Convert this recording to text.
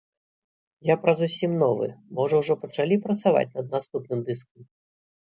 Я пра зусім новы, можа ўжо пачалі працаваць над наступным дыскам?